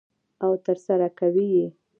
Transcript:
او ترسره کوي یې.